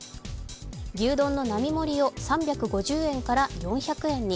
牛丼の並盛を３５０円から４００円に。